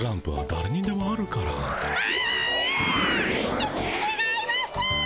ちっちがいます。